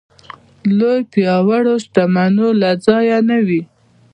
لوی پياوړ شتمنو له ځایه نه وي.